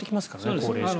高齢者の。